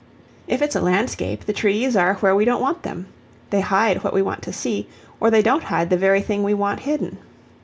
If it's a landscape the trees are where we don't want them; they hide what we want to see, or they don't hide the very thing we want hidden.